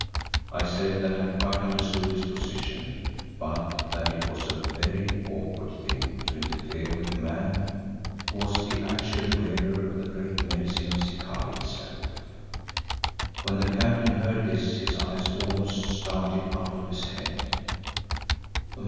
I said that I quite understood his position but that it was a very awkward thing to interfere with a man who was the actual wearer of the Great Medicine of Zikali itself. When the captain heard this his eyes almost started out of his head.